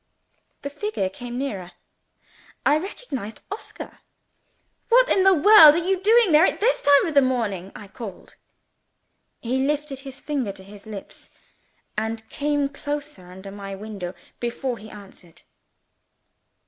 The figure came nearer. I recognized Oscar. "What in the world are you doing there, at this time in the morning?" I called out. He lifted his finger to his lips, and came close under my window before he answered.